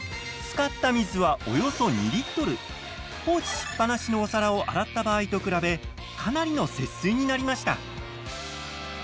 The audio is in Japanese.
放置しっぱなしのお皿を洗った場合と比べかなりの節水になりました。